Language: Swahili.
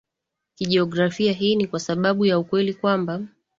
kijiografia Hii ni kwa sababu ya ukweli kwamba